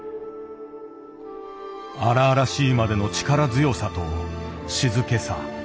荒々しいまでの力強さと静けさ。